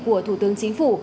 của thủ tướng chính phủ